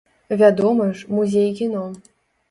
Вядома ж, музей кіно.